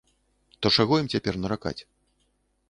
То чаго ім цяпер наракаць?